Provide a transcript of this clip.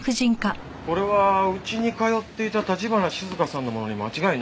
これはうちに通っていた橘静香さんのものに間違いないですよ。